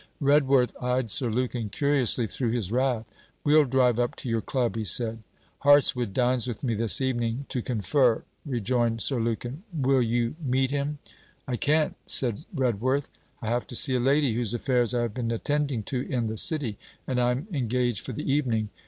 Redworth eyed Sir Lukin curiously through his wrath. 'We'll drive up to your Club,' he said. 'Hartswood dines with me this evening, to confer,' rejoined Sir Lukin. 'Will you meet him?' 'I can't,' said Redworth, 'I have to see a lady, whose affairs I have been attending to in the City; and I 'm engaged for the evening.